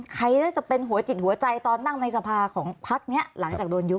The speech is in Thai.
น่าจะเป็นหัวจิตหัวใจตอนนั่งในสภาของพักนี้หลังจากโดนยุบ